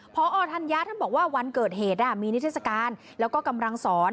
พอธัญญาท่านบอกว่าวันเกิดเหตุมีนิทรศการแล้วก็กำลังสอน